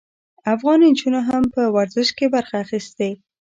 افغان نجونو هم په ورزش کې برخه اخیستې.